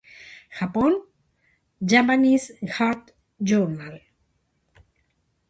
Japón: "Japanese Heart Journal".